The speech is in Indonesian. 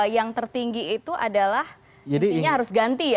yang tertinggi itu adalah intinya harus ganti ya